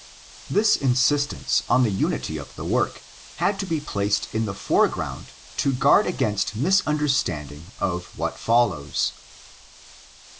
This insistence on the unity of the work had to be placed in the foreground to guard against misunder standing of what follows.